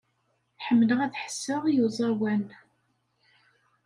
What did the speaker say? Ḥemmleɣ ad ḥesseɣ i uẓawan.